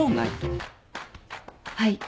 はい。